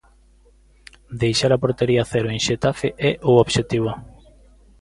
Deixar a portería a cero en Xetafe é o obxectivo.